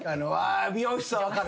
美容室は分かる。